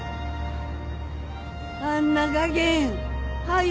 あんなかけんはよ